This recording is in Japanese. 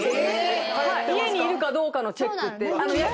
家にいるかどうかのチェックって。